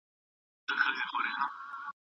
له ککړو یا شکمنو شیانو سره تماس باید ډډه وشي.